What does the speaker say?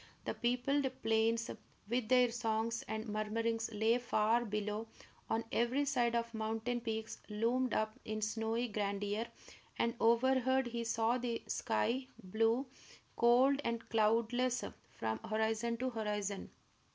The peopled plains, with their songs and murmurings, lay far below; on every side the mountain peaks loomed up in snowy grandeur; and overhead he saw the sky, blue, cold, and cloudless, from horizon to horizon.